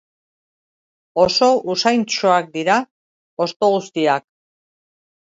Oso usaintsuak dira hosto guztiak.